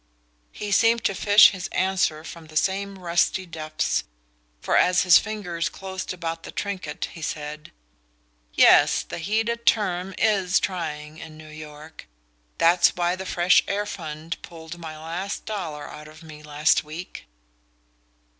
He seemed to fish his answer from the same rusty depths, for as his fingers closed about the trinket he said: "Yes, the heated term IS trying in New York. That's why the Fresh Air Fund pulled my last dollar out of me last week."